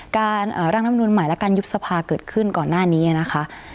การอ่าร่างน้ำนุนใหม่และการยุบสภาเกิดขึ้นก่อนหน้านี้อะนะคะ